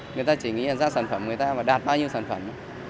người ta chỉ nghĩ ra sản phẩm người ta đạt bao nhiêu sản phẩm